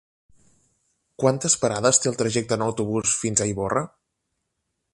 Quantes parades té el trajecte en autobús fins a Ivorra?